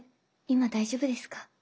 今大丈夫ですか？